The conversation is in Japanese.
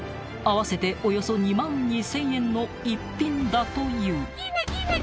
［合わせておよそ２万２，０００円の逸品だという］